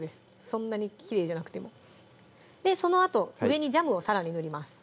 そんなにきれいじゃなくてもそのあと上にジャムをさらに塗ります